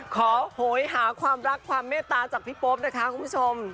โหยหาความรักความเมตตาจากพี่โป๊ปนะคะคุณผู้ชม